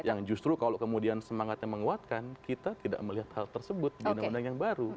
yang justru kalau kemudian semangatnya menguatkan kita tidak melihat hal tersebut di undang undang yang baru